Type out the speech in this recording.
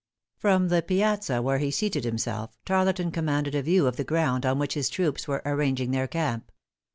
From the piazza where he seated himself, Tarleton commanded a view of the ground on which his troops were arranging their camp.